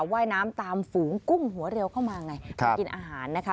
ว่ายน้ำตามฝูงกุ้งหัวเร็วเข้ามาไงมากินอาหารนะคะ